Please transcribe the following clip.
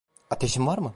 Ateşin var mı?